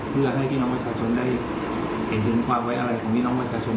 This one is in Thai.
เพื่อให้พี่น้องประชาชนได้เห็นถึงความไว้อะไรของพี่น้องประชาชน